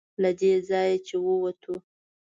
له دې ځایه چې ووتو.